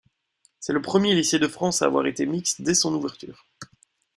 C'est le premier lycée de France à avoir été mixte dès son ouverture.